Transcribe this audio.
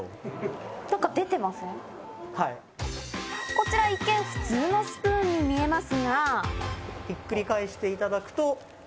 こちら一見、普通のスプーンに見えますが。